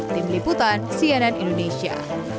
tim liputan cnn indonesia